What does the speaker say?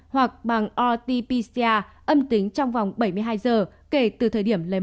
hoặc bằng rt pcr âm tính trong vòng bảy mươi hai h